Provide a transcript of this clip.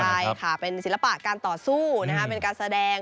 ใช่ค่ะเป็นศิลปะการต่อสู้เป็นการแสดง